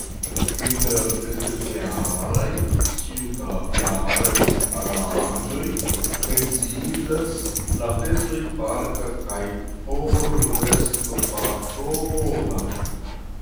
Inter specialaj ĉiujaraj aranĝoj menciindas la festoj parka kaj porbestopatrona.